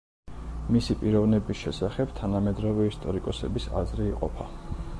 მისი პიროვნების შესახებ თანამედროვე ისტორიკოსების აზრი იყოფა.